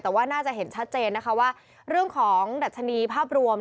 แต่ว่าน่าจะเห็นชัดเจนนะคะว่าเรื่องของดัชนีภาพรวม